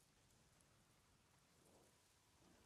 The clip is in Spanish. Él tiene ascendencia judía.